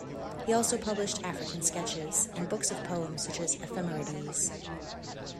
He also published "African Sketches" and books of poems, such as "Ephemerides".